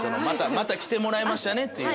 また来てもらえましたねっていう。